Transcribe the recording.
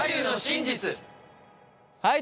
はい。